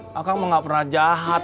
kak kamu gak pernah jahat sama polisi